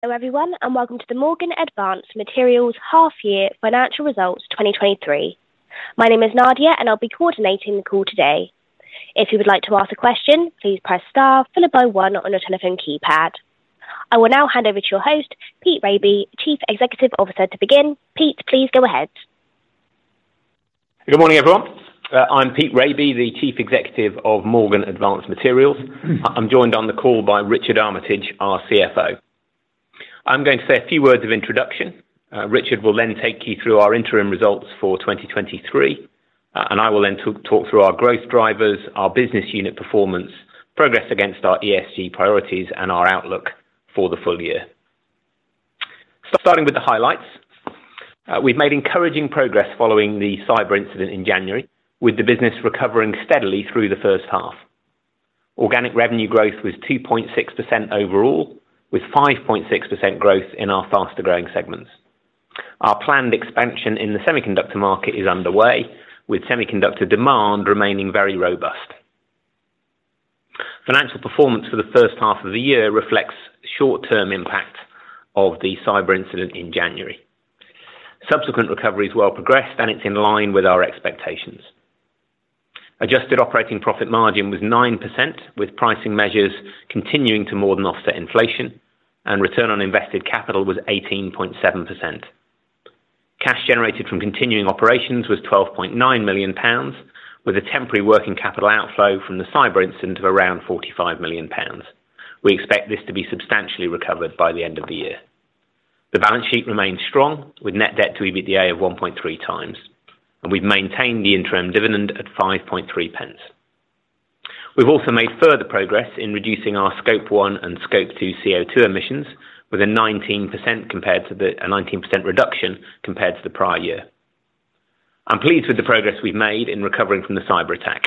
Hello, everyone, and welcome to the Morgan Advanced Materials Half Year Financial Results 2023. My name is Nadia, and I'll be coordinating the call today. If you would like to ask a question, please press star followed by one on your telephone keypad. I will now hand over to your host, Pete Raby, Chief Executive Officer to begin. Pete, please go ahead. Good morning, everyone. I'm Pete Raby, the Chief Executive of Morgan Advanced Materials. I'm joined on the call by Richard Armitage, our CFO. I'm going to say a few words of introduction. Richard will then take you through our interim results for 2023, and I will then talk through our growth drivers, our business unit performance, progress against our ESG priorities, and our outlook for the full year. Starting with the highlights, we've made encouraging progress following the cyber incident in January, with the business recovering steadily through the first half. Organic revenue growth was 2.6% overall, with 5.6% growth in our faster-growing segments. Our planned expansion in the semiconductor market is underway, with semiconductor demand remaining very robust. Financial performance for the first half of the year reflects short-term impact of the cyber incident in January. Subsequent recovery is well progressed, and it's in line with our expectations. Adjusted operating profit margin was 9%, with pricing measures continuing to more than offset inflation, and return on invested capital was 18.7%. Cash generated from continuing operations was 12.9 million pounds, with a temporary working capital outflow from the cyber incident of around 45 million pounds. We expect this to be substantially recovered by the end of the year. The balance sheet remains strong, with net debt to EBITDA of 1.3 times, and we've maintained the interim dividend at 5.3 pence. We've also made further progress in reducing our Scope 1 and Scope 2 CO2 emissions, with a 19% reduction compared to the prior year. I'm pleased with the progress we've made in recovering from the cyberattack,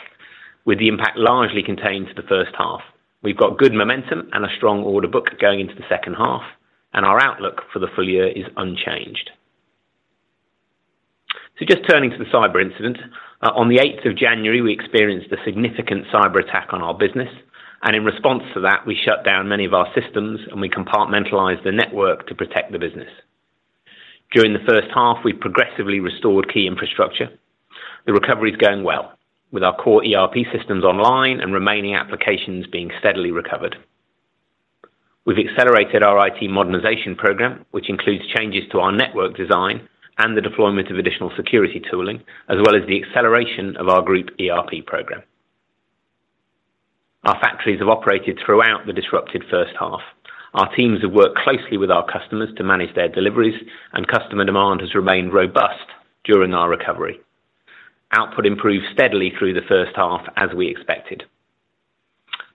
with the impact largely contained to the first half. We've got good momentum and a strong order book going into the second half, and our outlook for the full year is unchanged. Just turning to the cyber incident. On the eighth of January, we experienced a significant cyberattack on our business, and in response to that, we shut down many of our systems, and we compartmentalized the network to protect the business. During the first half, we progressively restored key infrastructure. The recovery is going well, with our core ERP systems online and remaining applications being steadily recovered. We've accelerated our IT modernization program, which includes changes to our network design and the deployment of additional security tooling, as well as the acceleration of our group ERP program. Our factories have operated throughout the disrupted first half. Our teams have worked closely with our customers to manage their deliveries, and customer demand has remained robust during our recovery. Output improved steadily through the first half, as we expected.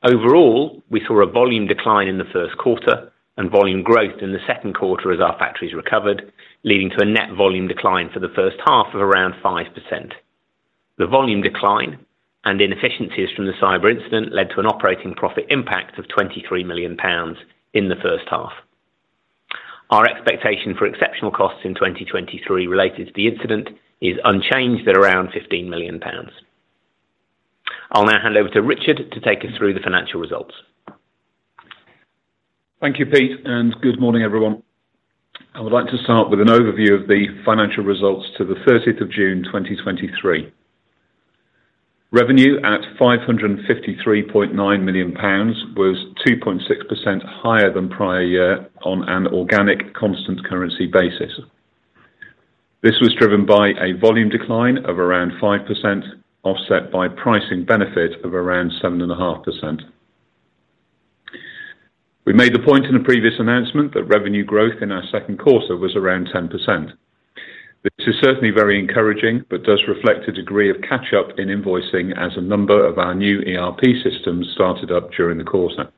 Overall, we saw a volume decline in the first quarter and volume growth in the second quarter as our factories recovered, leading to a net volume decline for the first half of around 5%. The volume decline and inefficiencies from the cyber incident led to an operating profit impact of GBP 23 million in the first half. Our expectation for exceptional costs in 2023 related to the incident is unchanged at around 15 million pounds. I'll now hand over to Richard to take us through the financial results. Thank you, Pete. Good morning, everyone. I would like to start with an overview of the financial results to June 30, 2023. Revenue at 553.9 million pounds was 2.6% higher than prior year on an organic constant currency basis. This was driven by a volume decline of around 5%, offset by pricing benefit of around 7.5%. We made the point in a previous announcement that revenue growth in our second quarter was around 10%. This is certainly very encouraging but does reflect a degree of catch-up in invoicing as a number of our new ERP systems started up during the quarter.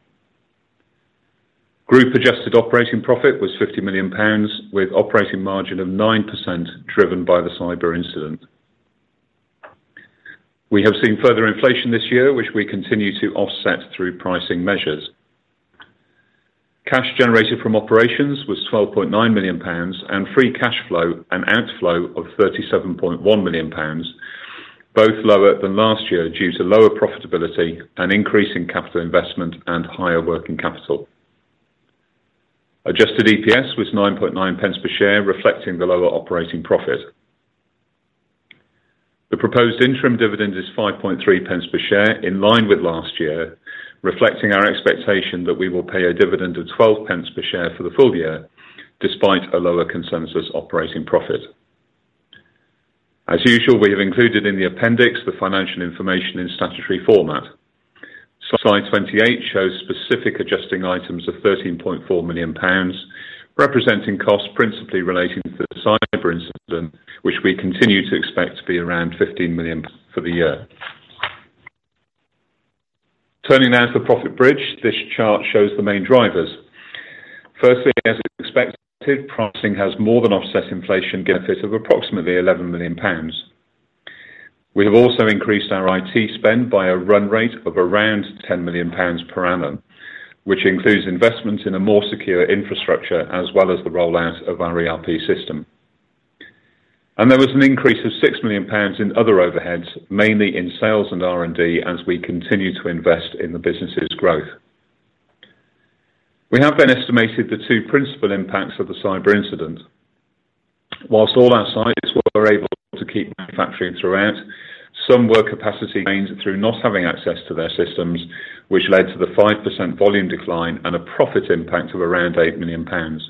Group adjusted operating profit was 50 million pounds, with operating margin of 9% driven by the cyber incident. We have seen further inflation this year, which we continue to offset through pricing measures. Cash generated from operations was 12.9 million pounds, and free cash flow an outflow of 37.1 million pounds, both lower than last year due to lower profitability and increasing capital investment and higher working capital. adjusted EPS was 9.9 pence per share, reflecting the lower operating profit. The proposed interim dividend is 5.3 pence per share, in line with last year, reflecting our expectation that we will pay a dividend of 12 pence per share for the full year, despite a lower consensus operating profit. As usual, we have included in the appendix the financial information in statutory format. Slide 28 shows specific adjusting items of 13.4 million pounds, representing costs principally relating to the cyber incident, which we continue to expect to be around 15 million for the year. Turning now to the profit bridge. This chart shows the main drivers. Firstly, as expected, pricing has more than offset inflation benefit of approximately 11 million pounds. We have also increased our IT spend by a run rate of around 10 million pounds per annum, which includes investments in a more secure infrastructure, as well as the rollout of our ERP system. There was an increase of 6 million pounds in other overheads, mainly in sales and R&D, as we continue to invest in the business's growth. We have then estimated the two principal impacts of the cyber incident. Whilst all our sites were able to keep manufacturing throughout, some work capacity gains through not having access to their systems, which led to the 5% volume decline and a profit impact of around 8 million pounds.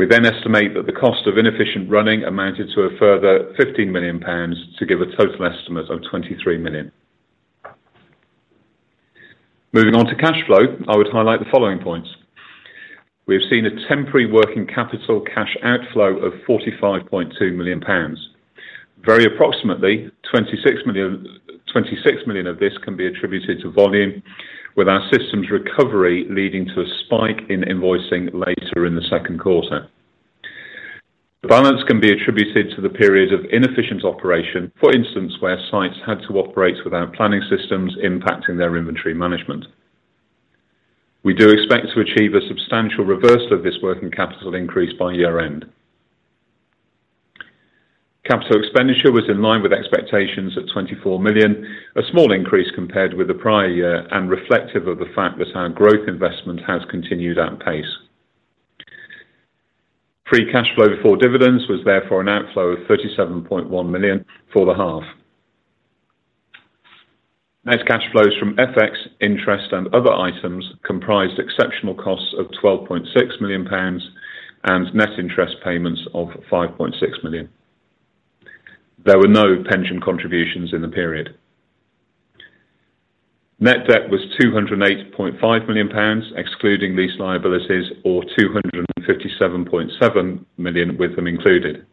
We then estimate that the cost of inefficient running amounted to a further 15 million pounds, to give a total estimate of 23 million. Moving on to cash flow, I would highlight the following points. We have seen a temporary working capital cash outflow of 45.2 million pounds. Very approximately, 26 million, 26 million of this can be attributed to volume, with our systems recovery leading to a spike in invoicing later in the second quarter. The balance can be attributed to the period of inefficient operation, for instance, where sites had to operate without planning systems impacting their inventory management. We do expect to achieve a substantial reversal of this working capital increase by year-end. Capital expenditure was in line with expectations at 24 million, a small increase compared with the prior year. Reflective of the fact that our growth investment has continued at pace. Free cash flow before dividends was therefore an outflow of 37.1 million for the half. Net cash flows from FX interest and other items comprised exceptional costs of 12.6 million pounds and net interest payments of 5.6 million. There were no pension contributions in the period. Net debt was 208.5 million pounds, excluding lease liabilities, or 257.7 million with them included.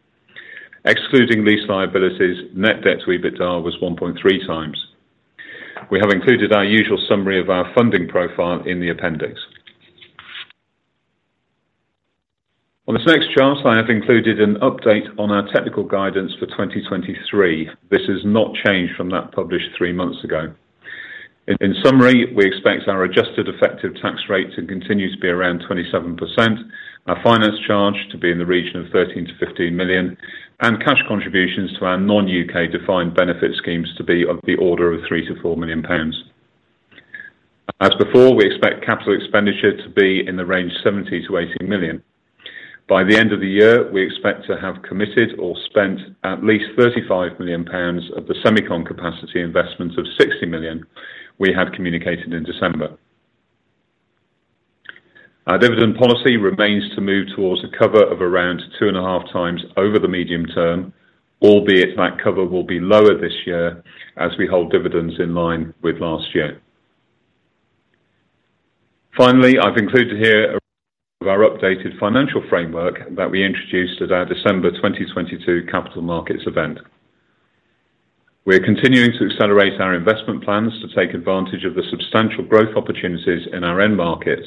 Excluding lease liabilities, net debt to EBITDA was 1.3 times. We have included our usual summary of our funding profile in the appendix. On this next chart, I have included an update on our technical guidance for 2023. This has not changed from that published three months ago. In summary, we expect our adjusted effective tax rate to continue to be around 27%, our finance charge to be in the region of 13 million-15 million, and cash contributions to our non-UK defined benefit schemes to be of the order of 3 million-4 million pounds. As before, we expect capital expenditure to be in the range of 70 million-80 million. By the end of the year, we expect to have committed or spent at least 35 million pounds of the semicon capacity investment of 60 million we have communicated in December. Our dividend policy remains to move towards a cover of around 2.5 times over the medium term, albeit that cover will be lower this year as we hold dividends in line with last year. Finally, I've included here of our updated financial framework that we introduced at our December 2022 capital markets event. We are continuing to accelerate our investment plans to take advantage of the substantial growth opportunities in our end markets,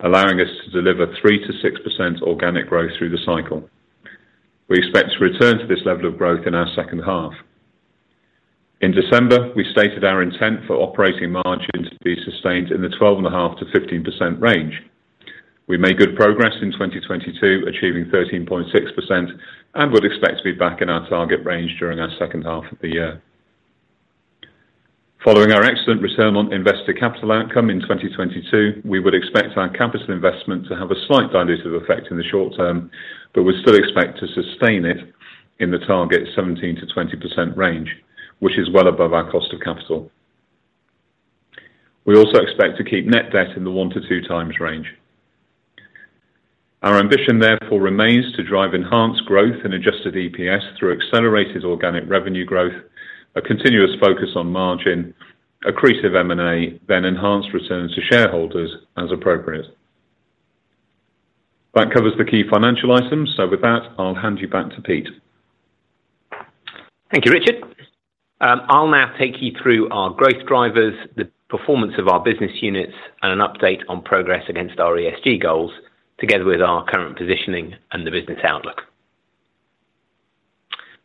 allowing us to deliver 3%-6% organic growth through the cycle. We expect to return to this level of growth in our second half. In December, we stated our intent for operating margin to be sustained in the 12.5%-15% range. We made good progress in 2022, achieving 13.6%, and would expect to be back in our target range during our second half of the year. Following our excellent return on invested capital outcome in 2022, we would expect our capital investment to have a slight dilutive effect in the short term, but we still expect to sustain it in the target 17%-20% range, which is well above our cost of capital. We also expect to keep net debt in the one to two times range. Our ambition, therefore, remains to drive enhanced growth in adjusted EPS through accelerated organic revenue growth, a continuous focus on margin, accretive M&A, then enhanced returns to shareholders as appropriate. That covers the key financial items. With that, I'll hand you back to Pete. Thank you, Richard. I'll now take you through our growth drivers, the performance of our business units, and an update on progress against our ESG goals, together with our current positioning and the business outlook.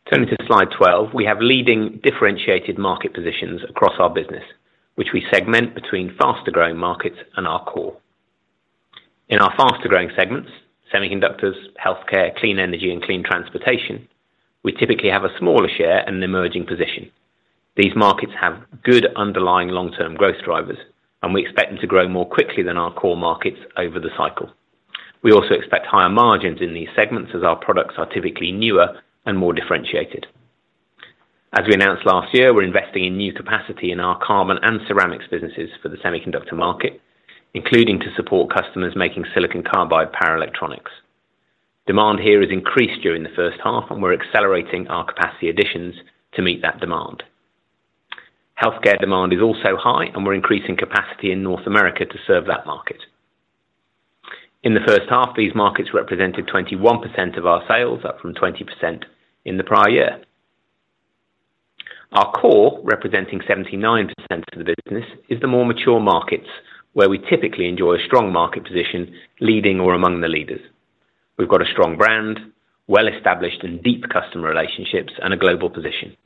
Turning to slide 12, we have leading differentiated market positions across our business, which we segment between faster-growing markets and our core. In our faster-growing segments, semiconductors, healthcare, clean energy, and clean transportation, we typically have a smaller share and an emerging position. These markets have good underlying long-term growth drivers. We expect them to grow more quickly than our core markets over the cycle. We also expect higher margins in these segments as our products are typically newer and more differentiated. As we announced last year, we're investing in new capacity in our carbon and ceramics businesses for the semiconductor market, including to support customers making silicon carbide power electronics. Demand here has increased during the first half, and we're accelerating our capacity additions to meet that demand. Healthcare demand is also high, and we're increasing capacity in North America to serve that market. In the first half, these markets represented 21% of our sales, up from 20% in the prior year. Our core, representing 79% of the business, is the more mature markets, where we typically enjoy a strong market position, leading or among the leaders. We've got a strong brand, well-established and deep customer relationships, and a global position....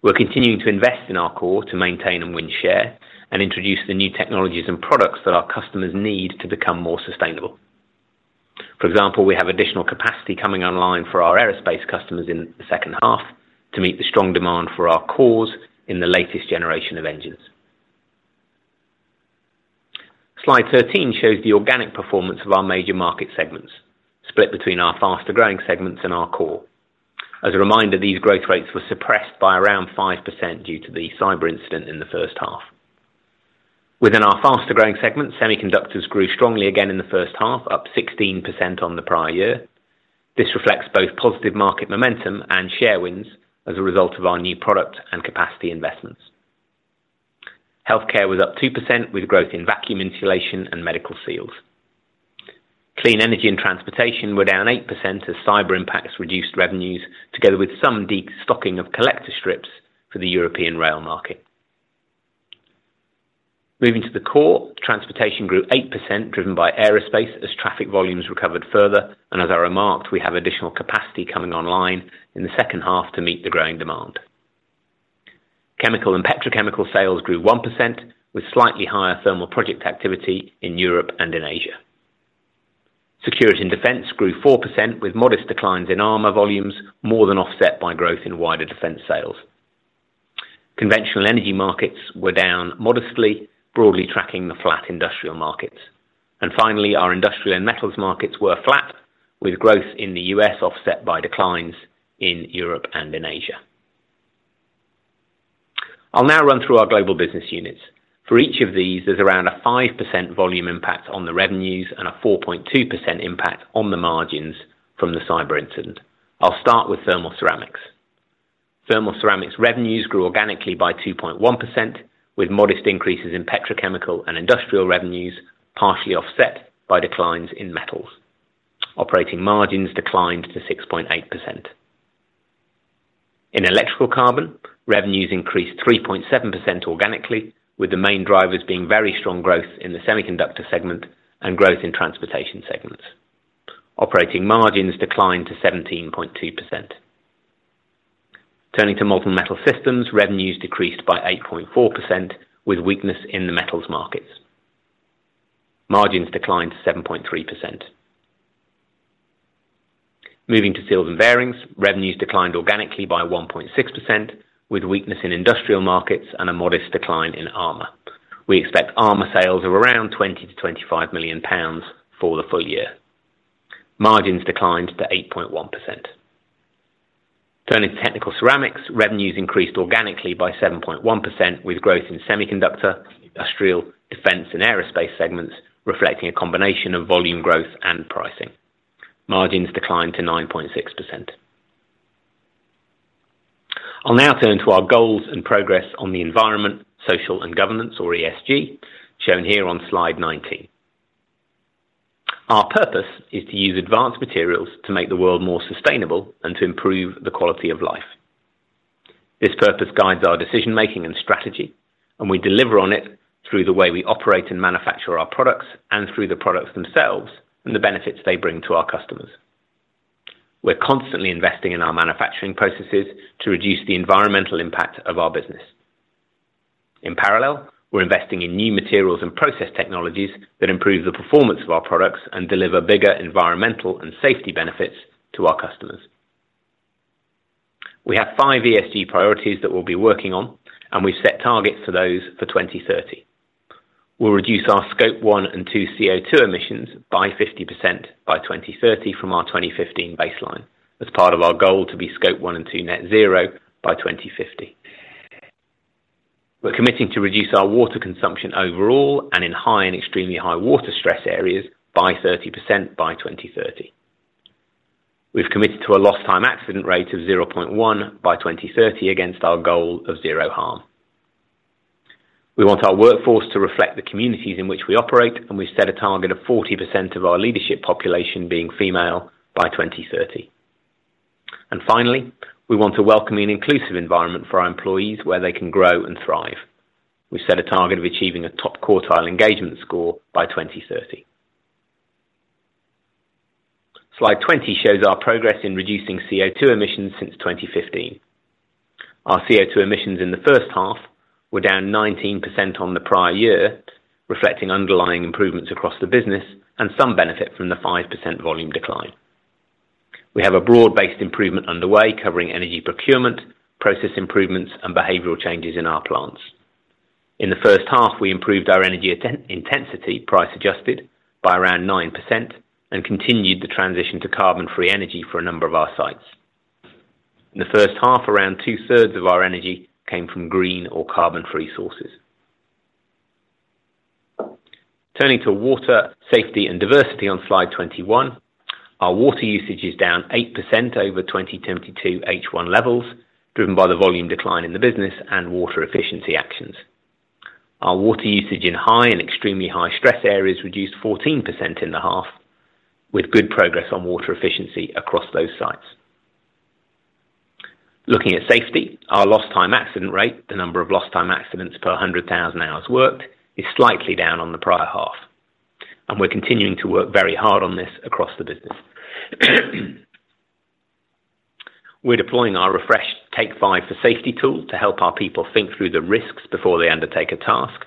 We're continuing to invest in our core to maintain and win share, and introduce the new technologies and products that our customers need to become more sustainable. For example, we have additional capacity coming online for our aerospace customers in the second half to meet the strong demand for our cores in the latest generation of engines. Slide 13 shows the organic performance of our major market segments, split between our faster-growing segments and our core. As a reminder, these growth rates were suppressed by around 5% due to the cyber incident in the first half. Within our faster-growing segments, semiconductors grew strongly again in the first half, up 16% on the prior year. This reflects both positive market momentum and share wins as a result of our new product and capacity investments. Healthcare was up 2%, with growth in vacuum insulation and medical seals. Clean energy and transportation were down 8% as cyber impacts reduced revenues, together with some de-stocking of collector strips for the European rail market. Moving to the core, transportation grew 8%, driven by aerospace as traffic volumes recovered further. As I remarked, we have additional capacity coming online in the second half to meet the growing demand. Chemical and petrochemical sales grew 1%, with slightly higher thermal project activity in Europe and in Asia. Security and defense grew 4%, with modest declines in armor volumes, more than offset by growth in wider defense sales. Conventional energy markets were down modestly, broadly tracking the flat industrial markets. Finally, our industrial and metals markets were flat, with growth in the U.S. offset by declines in Europe and in Asia. I'll now run through our global business units. For each of these, there's around a 5% volume impact on the revenues and a 4.2% impact on the margins from the cyber incident. I'll start with Thermal Ceramics. Thermal Ceramics revenues grew organically by 2.1%, with modest increases in petrochemical and industrial revenues, partially offset by declines in metals. Operating margins declined to 6.8%. In Electrical Carbon, revenues increased 3.7% organically, with the main drivers being very strong growth in the semiconductor segment and growth in transportation segments. Operating margins declined to 17.2%. Turning to Molten Metal Systems, revenues decreased by 8.4%, with weakness in the metals markets. Margins declined to 7.3%. Moving to Seals and Bearings, revenues declined organically by 1.6%, with weakness in industrial markets and a modest decline in armor. We expect armor sales of around 20 million-25 million pounds for the full year. Margins declined to 8.1%. Turning to Technical Ceramics, revenues increased organically by 7.1%, with growth in semiconductor, industrial, defense, and aerospace segments, reflecting a combination of volume growth and pricing. Margins declined to 9.6%. I'll now turn to our goals and progress on the environment, social, and governance, or ESG, shown here on slide 19. Our purpose is to use advanced materials to make the world more sustainable and to improve the quality of life. This purpose guides our decision-making and strategy, and we deliver on it through the way we operate and manufacture our products and through the products themselves and the benefits they bring to our customers. We're constantly investing in our manufacturing processes to reduce the environmental impact of our business. In parallel, we're investing in new materials and process technologies that improve the performance of our products and deliver bigger environmental and safety benefits to our customers. We have five ESG priorities that we'll be working on, and we've set targets for those for 2030. We'll reduce our Scope 1 and 2 CO2 emissions by 50% by 2030 from our 2015 baseline, as part of our goal to be Scope 1 and 2 net zero by 2050. We're committing to reduce our water consumption overall and in high and extremely high water stress areas by 30% by 2030. We've committed to a lost time accident rate of 0.1 by 2030 against our goal of zero harm. We want our workforce to reflect the communities in which we operate, and we set a target of 40% of our leadership population being female by 2030. Finally, we want a welcoming and inclusive environment for our employees where they can grow and thrive. We set a target of achieving a top quartile engagement score by 2030. Slide 20 shows our progress in reducing CO2 emissions since 2015. Our CO2 emissions in the first half were down 19% on the prior year, reflecting underlying improvements across the business and some benefit from the 5% volume decline. We have a broad-based improvement underway, covering energy procurement, process improvements, and behavioral changes in our plants. In the first half, we improved our energy intensity, price adjusted, by around 9% and continued the transition to carbon-free energy for a number of our sites. In the first half, around two-thirds of our energy came from green or carbon-free sources. Turning to water, safety, and diversity on slide 21, our water usage is down 8% over 2022 H1 levels, driven by the volume decline in the business and water efficiency actions. Our water usage in high and extremely high-stress areas reduced 14% in the half, with good progress on water efficiency across those sites. Looking at safety, our lost time accident rate, the number of lost time accidents per 100,000 hours worked, is slightly down on the prior half. We're continuing to work very hard on this across the business. We're deploying our refreshed Take Five for Safety tool to help our people think through the risks before they undertake a task.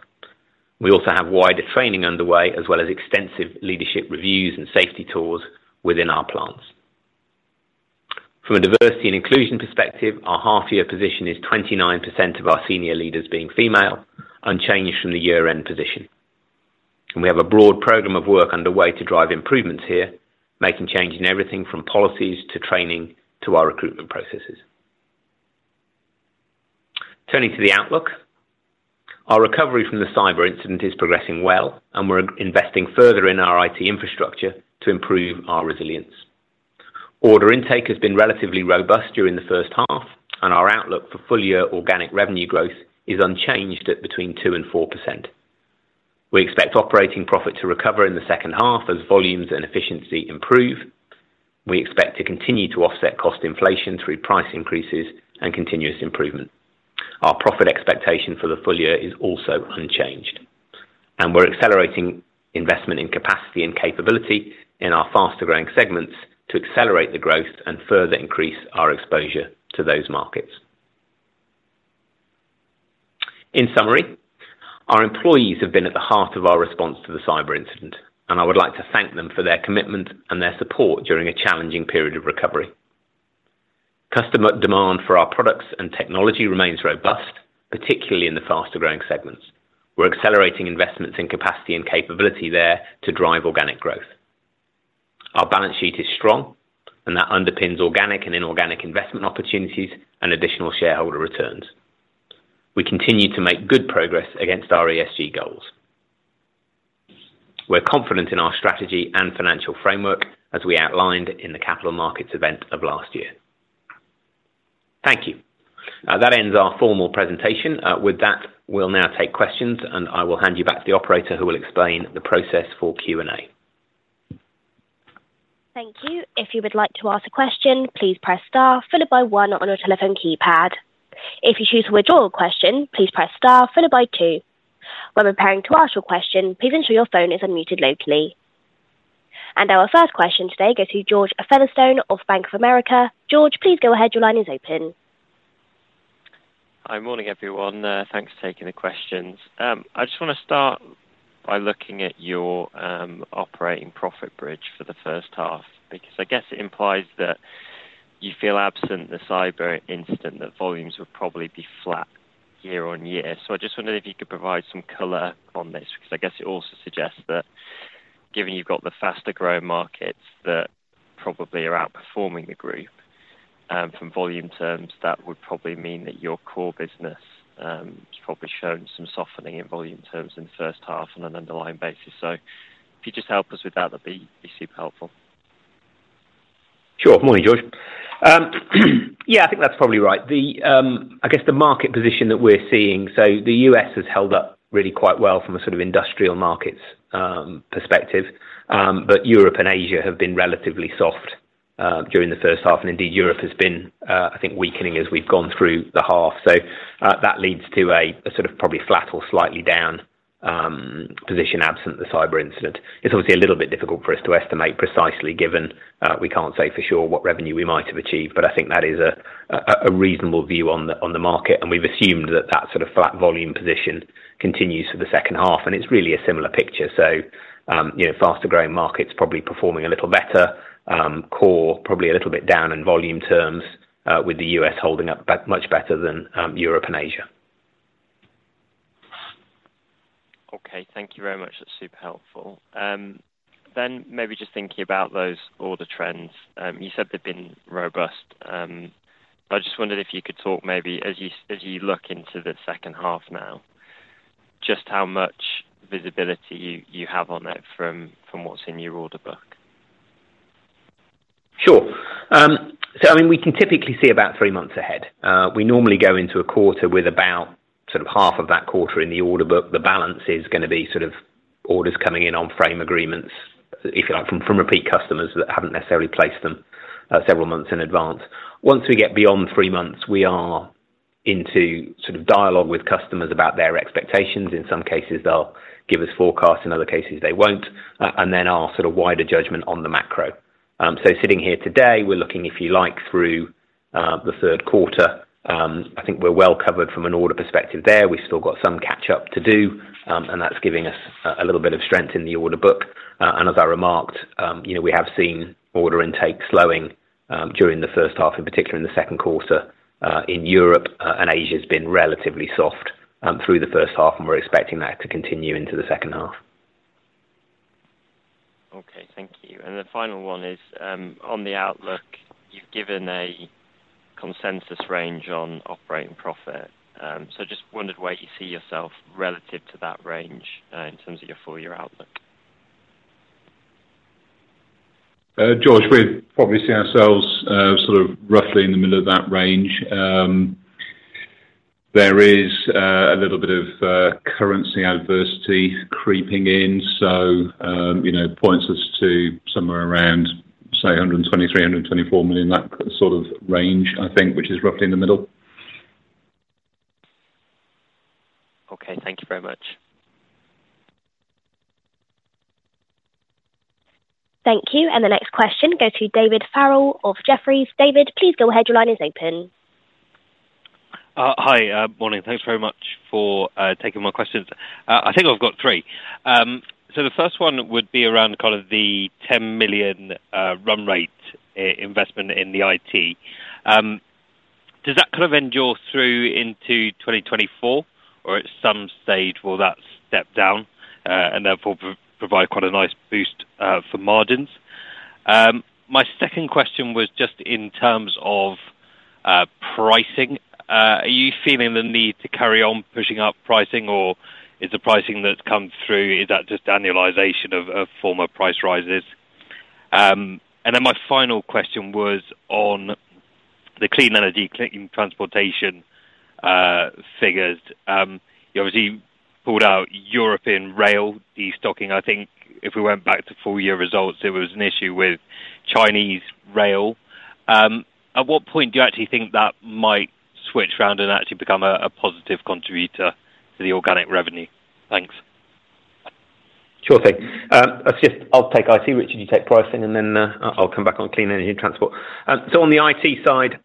We also have wider training underway, as well as extensive leadership reviews and safety tours within our plants. From a diversity and inclusion perspective, our half year position is 29% of our senior leaders being female, unchanged from the year-end position. We have a broad program of work underway to drive improvements here, making changes in everything from policies to training to our recruitment processes. Turning to the outlook. Our recovery from the cyber incident is progressing well, and we're investing further in our IT infrastructure to improve our resilience. Order intake has been relatively robust during the first half, and our outlook for full-year organic revenue growth is unchanged at between 2% and 4%. We expect operating profit to recover in the second half as volumes and efficiency improve. We expect to continue to offset cost inflation through price increases and continuous improvement. Our profit expectation for the full year is also unchanged, and we're accelerating investment in capacity and capability in our faster-growing segments to accelerate the growth and further increase our exposure to those markets. In summary, our employees have been at the heart of our response to the cyber incident, and I would like to thank them for their commitment and their support during a challenging period of recovery. Customer demand for our products and technology remains robust, particularly in the faster-growing segments. We're accelerating investments in capacity and capability there to drive organic growth. Our balance sheet is strong, and that underpins organic and inorganic investment opportunities and additional shareholder returns. We continue to make good progress against our ESG goals. We're confident in our strategy and financial framework as we outlined in the capital markets event of last year. Thank you. That ends our formal presentation. With that, we'll now take questions, and I will hand you back to the operator, who will explain the process for Q&A. Thank you. If you would like to ask a question, please press star, followed by one on your telephone keypad. If you choose to withdraw a question, please press star, followed by two. When preparing to ask your question, please ensure your phone is unmuted locally. Our first question today goes to George Featherstone of Bank of America. George, please go ahead. Your line is open. Hi, Morning, everyone. Thanks for taking the questions. I just want to start by looking at your operating profit bridge for the first half, because I guess it implies that you feel absent the cyber incident, that volumes would probably be flat year-on-year. I just wondered if you could provide some color on this, because I guess it also suggests that given you've got the faster-growing markets that probably are outperforming the group, from volume terms, that would probably mean that your core business has probably shown some softening in volume terms in the first half on an underlying basis. If you just help us with that, that'd be super helpful. Sure. Morning, George. Yeah, I think that's probably right. The market position that we're seeing so the U.S. has held up really quite well from a sort of industrial markets perspective. Europe and Asia have been relatively soft during the first half, and indeed, Europe has been, I think, weakening as we've gone through the half. That leads to a sort of probably flat or slightly down position absent the cyber incident. It's obviously a little bit difficult for us to estimate precisely, given we can't say for sure what revenue we might have achieved, but I think that is a reasonable view on the market, and we've assumed that that sort of flat volume position continues for the second half, and it's really a similar picture. You know, faster-growing markets probably performing a little better, core, probably a little bit down in volume terms, with the U.S. holding up back much better than Europe and Asia. Okay. Thank you very much. That's super helpful. Maybe just thinking about those order trends. You said they've been robust. I just wondered if you could talk maybe as you, as you look into the second half now, just how much visibility you, you have on it from, from what's in your order book? Sure. So I mean, we can typically see about three months ahead. We normally go into a quarter with about sort of half of that quarter in the order book. The balance is gonna be sort of orders coming in on frame agreements, if you like, from, from repeat customers that haven't necessarily placed them, several months in advance. Once we get beyond three months, we are into sort of dialogue with customers about their expectations. In some cases, they'll give us forecasts, in other cases they won't. Then our sort of wider judgment on the macro. So sitting here today, we're looking, if you like, through the third quarter. I think we're well covered from an order perspective there. We've still got some catch up to do, and that's giving us a, a little bit of strength in the order book. As I remarked, you know, we have seen order intake slowing during the first half, in particular in the second quarter in Europe, and Asia's been relatively soft through the first half, and we're expecting that to continue into the second half. Okay. Thank you. The final one is, on the outlook, you've given a consensus range on operating profit. Just wondered where you see yourself relative to that range, in terms of your full year outlook. George, we probably see ourselves, sort of roughly in the middle of that range. There is a little bit of currency adversity creeping in, so, you know, points us to somewhere around, say, 123 million-124 million, that sort of range, I think, which is roughly in the middle. Okay, thank you very much. Thank you. The next question goes to David Farrell of Jefferies. David, please go ahead. Your line is open. Hi, morning. Thanks very much for taking my questions. I think I've got three. The first one would be around kind of the 10 million run rate investment in the IT. Does that kind of endure through into 2024, or at some stage will that step down and therefore provide quite a nice boost for margins? My second question was just in terms of pricing. Are you feeling the need to carry on pushing up pricing, or is the pricing that's come through, is that just annualization of former price rises? My final question was on the clean energy, clean transportation figures. You obviously pulled out European rail, the stocking. I think if we went back to full year results, there was an issue with Chinese rail. At what point do you actually think that might switch around and actually become a, a positive contributor to the organic revenue? Thanks. Sure thing. I'll take IT, Richard, you take pricing, then I'll come back on clean energy and transport. On the IT side,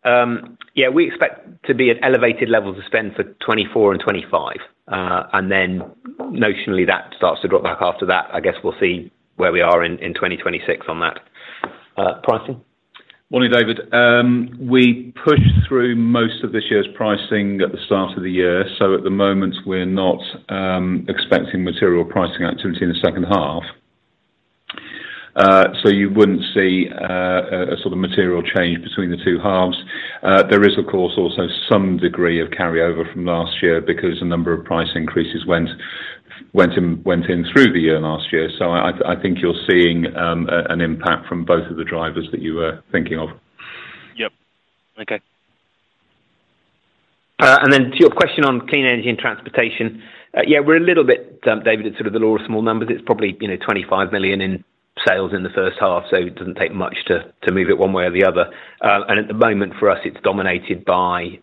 yeah, we expect to be at elevated levels of spend for 2024 and 2025. Then notionally, that starts to drop back after that. I guess we'll see where we are in, in 2026 on that. Pricing? Morning, David. We pushed through most of this year's pricing at the start of the year. At the moment we're not expecting material pricing activity in the second half. You wouldn't see a sort of material change between the two halves. There is, of course, also some degree of carryover from last year because a number of price increases went, went in, went in through the year last year. I, I, I think you're seeing an impact from both of the drivers that you were thinking of. Yep. Okay. Then to your question on clean energy and transportation, yeah, we're a little bit, David, it's sort of the law of small numbers. It's probably, you know, 25 million in sales in the first half. It doesn't take much to move it one way or the other. At the moment for us, it's dominated by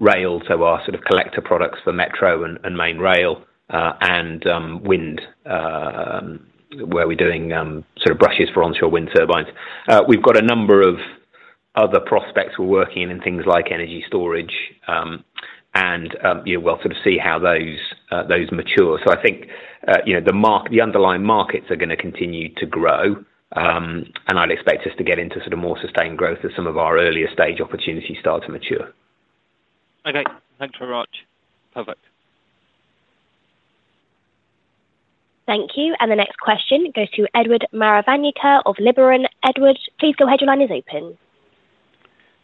rail, so our sort of Collector Products for metro and main rail, and wind, where we're doing sort of brushes for onshore wind turbines. We've got a number of other prospects we're working in things like Energy Storage. Yeah, we'll sort of see how those those mature. I think, you know, the underlying markets are gonna continue to grow, and I'd expect us to get into sort of more sustained growth as some of our earlier stage opportunities start to mature. Okay. Thanks very much. Perfect. Thank you. The next question goes to Edward Maravanyika of Liberum. Edward, please go ahead. Your line is open.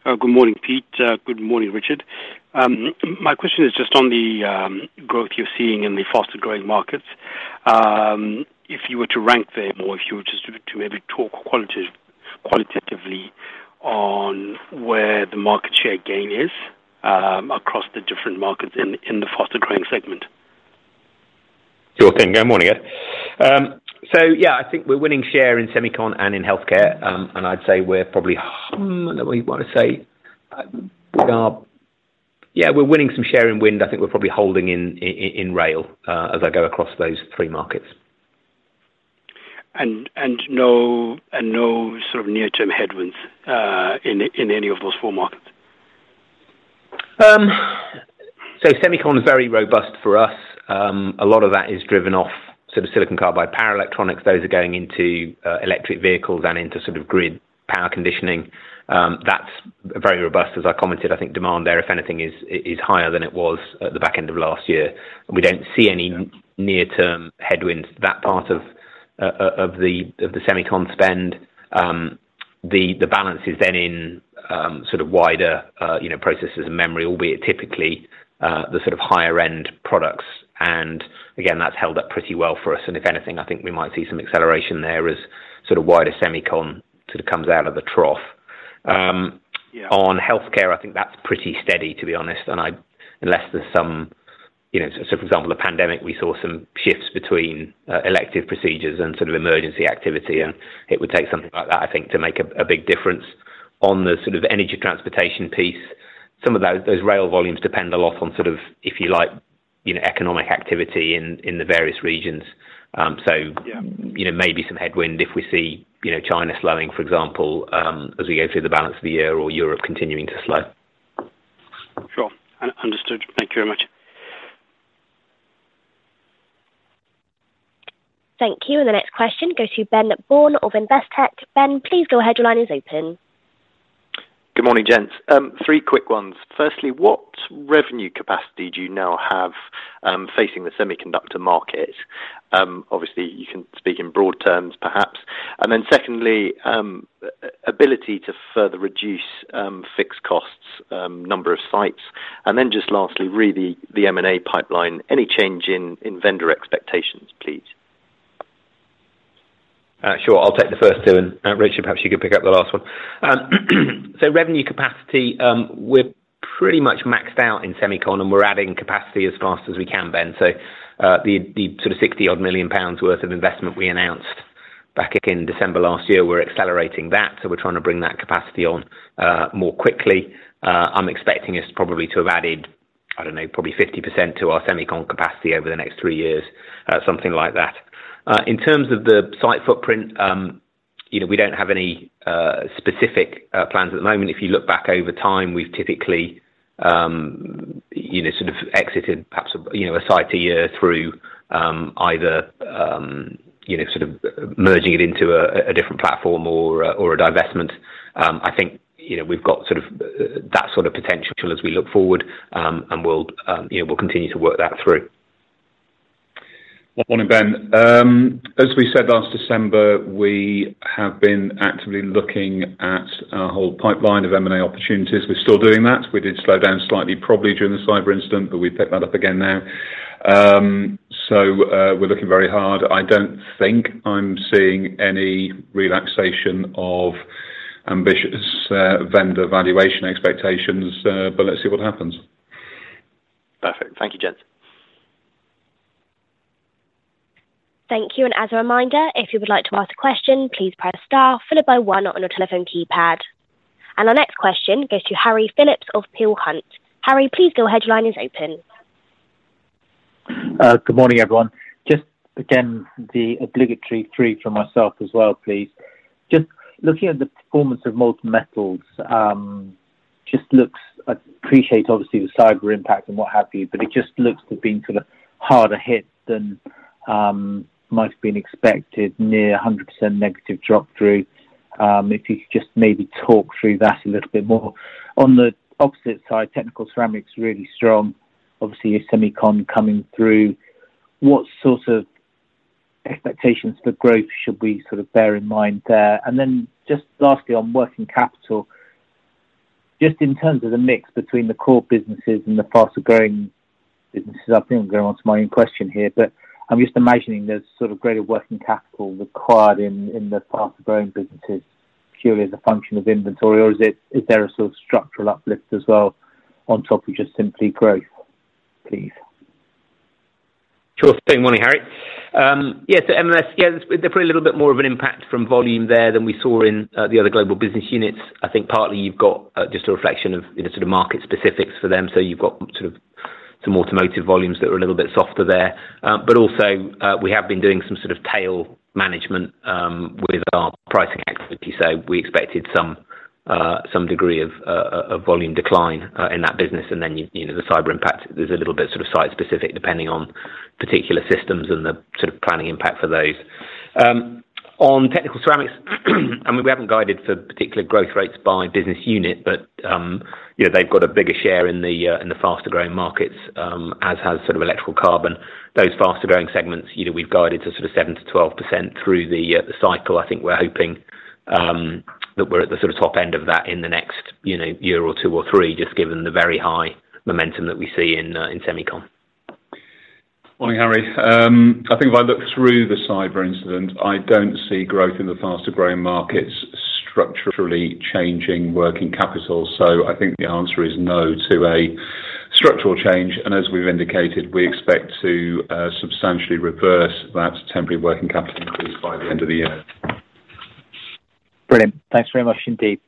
Good morning, Pete. Good morning, Richard. My question is just on the growth you're seeing in the faster growing markets. If you were to rank them or if you were just to maybe talk qualitatively on where the market share gain is, across the different markets in, in the faster growing segment. Sure thing. Good morning, Ed. Yeah, I think we're winning share in semicon and in healthcare. I'd say we're probably, what I wanna say, we are... Yeah, we're winning some share in wind. I think we're probably holding in, in, in, in rail, as I go across those three markets. and no, and no sort of near-term headwinds, in, in any of those four markets? Semicon is very robust for us. A lot of that is driven off silicon carbide, power electronics. Those are going into electric vehicles and into grid power conditioning. That's very robust. As I commented, I think demand there, if anything, is higher than it was at the back end of last year. We don't see any near-term headwinds, that part of the semicon spend. The balance is then in wider, you know, processors and memory, albeit typically the higher end products. Again, that's held up pretty well for us. If anything, I think we might see some acceleration there as wider semicon comes out of the trough. Yeah. On healthcare, I think that's pretty steady, to be honest. Unless there's some, you know, so for example, the pandemic, we saw some shifts between elective procedures and sort of emergency activity, and it would take something like that, I think, to make a big difference. On the sort of energy transportation piece, some of those, those rail volumes depend a lot on sort of, if you like, you know, economic activity in, in the various regions. Yeah. You know, maybe some headwind if we see, you know, China slowing, for example, as we go through the balance of the year or Europe continuing to slow. Sure. Understood. Thank you very much. Thank you. The next question goes to Ben Bourne of Investec. Ben, please go ahead. Your line is open. Good morning, gents. Three quick ones. Firstly, what revenue capacity do you now have, facing the semiconductor market? Obviously, you can speak in broad terms, perhaps. Secondly, ability to further reduce, fixed costs, number of sites. Just lastly, re the, the M&A pipeline, any change in, in vendor expectations, please? Sure, I'll take the first two. Richard, perhaps you could pick up the last one. Revenue capacity, we're pretty much maxed out in semicon, and we're adding capacity as fast as we can, Ben. The, the sort of 60 odd million worth of investment we announced back in December 2023, we're accelerating that, so we're trying to bring that capacity on more quickly. I'm expecting us probably to have added, I don't know, probably 50% to our semicon capacity over the next three years, something like that. In terms of the site footprint, you know, we don't have any specific plans at the moment. If you look back over time, we've typically, you know, sort of exited perhaps, you know, a site a year through, either, you know, sort of merging it into a, a different platform or, or a divestment. I think, you know, we've got sort of that sort of potential as we look forward, and we'll, you know, we'll continue to work that through. Good morning, Ben. As we said last December, we have been actively looking at our whole pipeline of M&A opportunities. We're still doing that. We did slow down slightly, probably during the cyber incident, but we've picked that up again now. We're looking very hard. I don't think I'm seeing any relaxation of ambitious vendor valuation expectations, but let's see what happens. Perfect. Thank you, gents. Thank you. As a reminder, if you would like to ask a question, please press star followed by 1 on your telephone keypad. Our next question goes to Harry Philips of Peel Hunt. Harry, please go ahead, your line is open. Good morning, everyone. Just again, the obligatory three from myself as well, please. Just looking at the performance of Molten Metals, just looks-- I appreciate obviously the cyber impact and what have you, but it just looks to have been sort of harder hit than, might have been expected, near a 100% negative drop through. If you could just maybe talk through that a little bit more. On the opposite side, Technical Ceramics is really strong. Obviously, your semicon coming through. What sort of expectations for growth should we sort of bear in mind there? Just lastly, on working capital, just in terms of the mix between the core businesses and the faster-growing businesses, I think I'm going on to my own question here, but I'm just imagining there's sort of greater working capital required in, in the faster-growing businesses, purely as a function of inventory, or is there a sort of structural uplift as well on top of just simply growth, please? Sure thing. Morning, Harry. Yes, so MMS, there's probably a little bit more of an impact from volume there than we saw in the other global business units. I think partly you've got just a reflection of, you know, sort of market specifics for them, so you've got sort of some automotive volumes that are a little bit softer there. Also, we have been doing some sort of tail management with our pricing activity, so we expected some degree of volume decline in that business, and then, you, you know, the cyber impact is a little bit sort of site-specific, depending on particular systems and the sort of planning impact for those. On Technical Ceramics, and we haven't guided for particular growth rates by business unit, but, you know, they've got a bigger share in the faster-growing markets, as has sort of Electrical Carbon. Those faster-growing segments, you know, we've guided to sort of 7%-12% through the cycle. I think we're hoping that we're at the sort of top end of that in the next, you know, year or two or three, just given the very high momentum that we see in semicon. Morning, Harry. I think if I look through the cyber incident, I don't see growth in the faster-growing markets structurally changing working capital, so I think the answer is no to a structural change, and as we've indicated, we expect to substantially reverse that temporary working capital increase by the end of the year. Brilliant. Thanks very much indeed.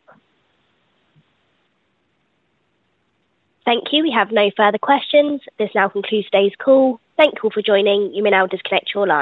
Thank you. We have no further questions. This now concludes today's call. Thank you all for joining. You may now disconnect your lines.